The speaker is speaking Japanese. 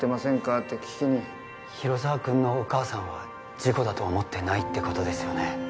って聞きに広沢君のお母さんは事故だと思ってないってことですよね